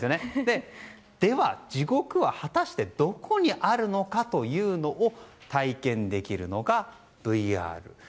では地獄は、果たしてどこにあるのかというのを体験できるのがＶＲ。